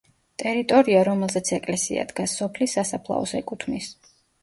ტერიტორია, რომელზეც ეკლესია დგას, სოფლის სასაფლაოს ეკუთვნის.